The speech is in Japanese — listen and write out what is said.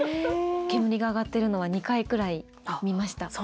煙が上がってるのは２回くらい見ました。